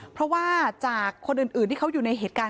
เพราะว่าจากคนอื่นที่เขาอยู่ในเหตุการณ์